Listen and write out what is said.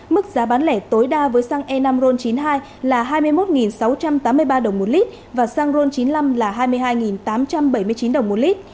mức giá bán lẻ tối đa với xăng e năm ron chín mươi hai là hai mươi một sáu trăm tám mươi ba đồng một lít và xăng ron chín mươi năm là hai mươi hai tám trăm bảy mươi chín đồng một lít